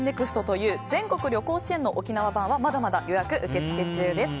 ＮＥＸＴという全国旅行支援の沖縄版はまだまだ予約受付中です。